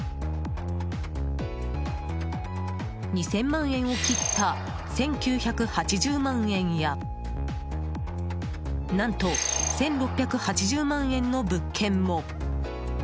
２０００万円を切った１９８０万円や何と、１６８０万円の物件も！